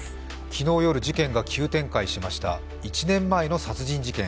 昨日夜、事件急展開しました１年前の殺人事件。